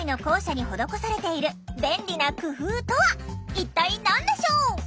一体何でしょう？